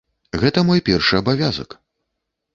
Гэта мой першы абавязак.